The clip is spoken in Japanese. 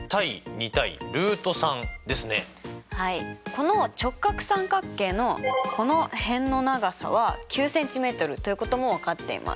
この直角三角形のこの辺の長さは９ｃｍということも分かっています。